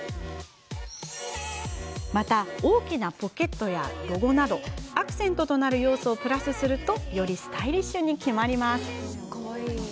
また、大きなポケットやロゴなどアクセントとなる要素をプラスするとよりスタイリッシュに決まります。